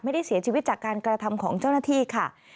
ไม่ได้เสียชีวิตจากการกระทำของเจ้าหน้าที่ค่ะ